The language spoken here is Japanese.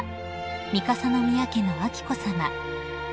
三笠宮家の彬子さま